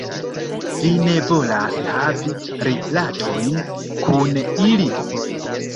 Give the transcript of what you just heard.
Vi ne volas havi rilatojn kun ili?